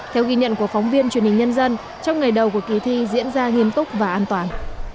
theo ghi nhận của phóng viên truyền hình nhân dân trong ngày đầu của kỳ thi diễn ra nghiêm túc và an toàn